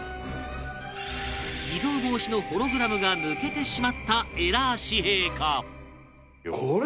偽造防止のホログラムが抜けてしまったエラー紙幣か？